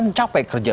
kan capek kerja